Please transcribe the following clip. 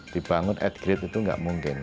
dibangun at grade itu nggak mungkin